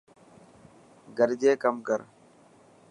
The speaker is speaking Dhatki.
گڏجي ڪم ڪر.